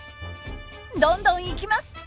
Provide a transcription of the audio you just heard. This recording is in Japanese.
どんどんいきます！